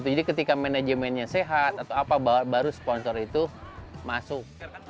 jadi ketika manajemennya sehat atau apa baru sponsor itu masuk